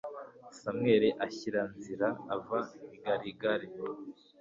samweli ashyiranzira ava i giligali